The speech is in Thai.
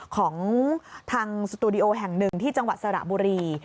ของทางสตูดิโอแห่งหนึ่งที่จังหวัดสระบุรี